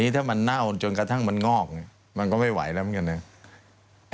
ถ้ามันเน่าจนกระทั่งมันงอกมันก็ไม่ไหวแล้วเหมือนกันนะ